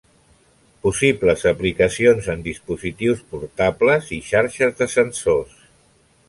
Possibles aplicacions en dispositius portables i xarxes de sensors.